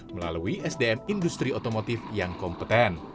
melalui sdm industri otomotif yang kompeten